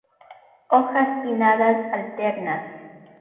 Hojas pinnadas alternas.